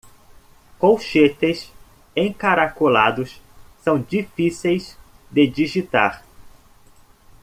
Colchetes encaracolados são difíceis de digitar.